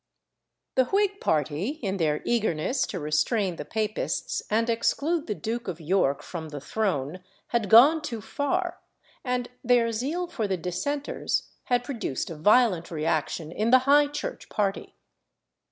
The Whig party, in their eagerness to restrain the Papists and exclude the Duke of York from the throne, had gone too far, and their zeal for the Dissenters had produced a violent reaction in the High Church party.